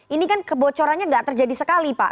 ini kan kebocorannya tidak terjadi sekali pak